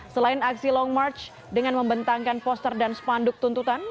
selain aksi long march dengan membentangkan poster dan spanduk tuntutan